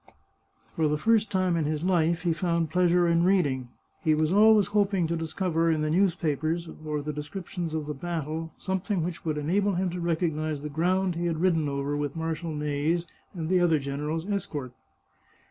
For the first time in his life he found pleasure in read ing ; he was always hoping to discover in the newspapers or 77 The Chartreuse of Parma the descriptions of the battle something which would en able him to recognise the ground he had ridden over with Marshal Ney's and the other general's escort.